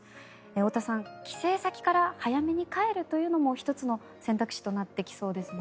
太田さん、帰省先から早めに帰るというのも１つの選択肢となってきそうですね。